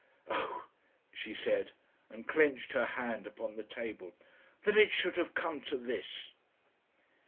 "Oh!" she said and clenched her hand upon the table. "That it should have come to this!"